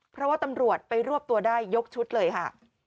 เพราะว่าตำรวจไปรวบตัวได้ยกชุดเลยค่ะ